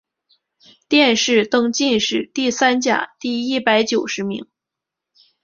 殿试登进士第三甲第一百九十名。